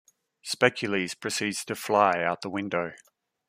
Specules proceeds to fly out the window.